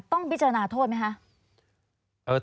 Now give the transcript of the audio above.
ต้องพิจารณาโทษไหมคะ